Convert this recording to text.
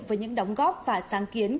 với những đóng góp và sáng kiến